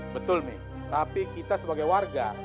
betul nih tapi kita sebagai warga